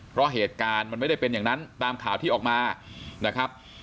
เพราะเหตุการณ์มันไม่ได้เป็นอย่างนั้นตามข่าวที่ออกมานะครับ